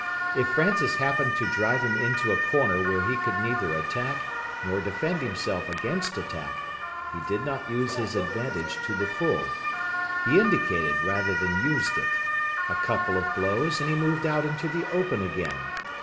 If Francis happened to drive him into a corner where he could neither attack, nor defend himself against attack, he did not use his advantage to the full. He indicated rather than used it. A couple of blows, and he moved out into the open again.